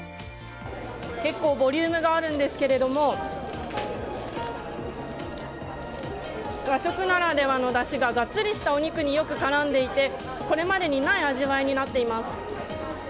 結構ボリュームがあるんですが和食ならではのだしがガッツリしたお肉によく絡んでいてこれまでにない味わいになっています。